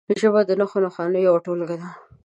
ژبه د نښو نښانو یوه ټولګه ده.